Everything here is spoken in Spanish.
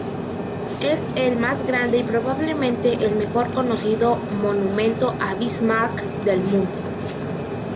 Es el más grande y probablemente el mejor conocido monumento a Bismarck del mundo.